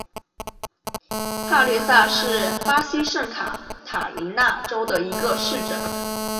帕略萨是巴西圣卡塔琳娜州的一个市镇。